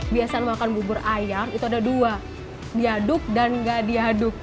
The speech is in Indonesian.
biasa makan bubur ayam itu ada dua diaduk dan gak diaduk